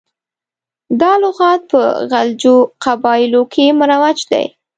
دا لغات په غلجو قبایلو کې مروج دی.